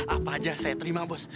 apa aja yang saya terima bos